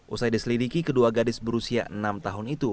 usai diselidiki kedua gadis berusia enam tahun itu